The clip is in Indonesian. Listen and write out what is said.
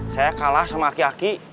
saya kalah sama aki aki